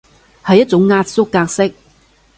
係一種壓縮格式